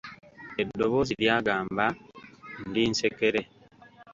Eddoboozi lyagamba, ndi nsekere.